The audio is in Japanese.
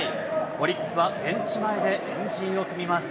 オリックスはベンチ前で円陣を組みます。